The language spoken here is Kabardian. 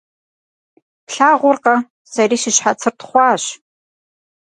Плъагъуркъэ, сэри си щхьэцыр тхъуащ.